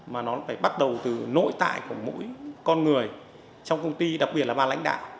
mà nó phải bắt đầu từ nội tại của mỗi con người trong công ty đặc biệt là bà lãnh đạo